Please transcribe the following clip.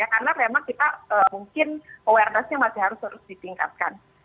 karena memang kita mungkin awarenessnya masih harus ditingkatkan